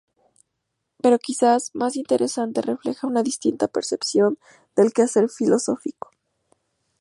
Pero quizás, más interesante refleja una distinta percepción del quehacer filosófico.